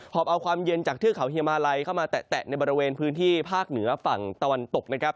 อบเอาความเย็นจากเทือกเขาเฮียมาลัยเข้ามาแตะในบริเวณพื้นที่ภาคเหนือฝั่งตะวันตกนะครับ